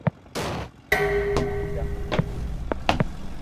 ائمي امي پونچ جڻو ھون